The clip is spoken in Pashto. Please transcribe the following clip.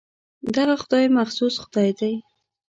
دغه خدای مخصوص خدای دی.